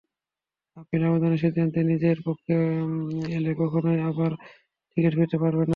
Appeal আবেদনের সিদ্ধান্ত নিজের পক্ষে এলে তখনই আবার ক্রিকেটে ফিরতে পারবেন আজমল।